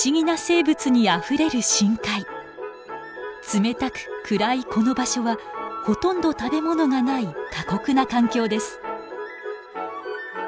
冷たく暗いこの場所はほとんど食べ物がない過酷な環境です。